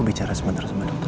aku bicara sebentar sebentar